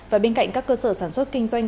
và bên cạnh các cơ sở sản xuất kinh doanh